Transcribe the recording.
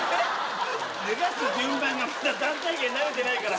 脱がす順番がまだ団体芸に慣れてないから。